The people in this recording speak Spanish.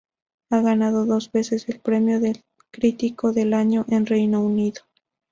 Ha ganado dos veces el premio de Crítico del Año en Reino Unido.